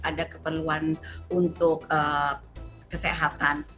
ada keperluan untuk kesehatan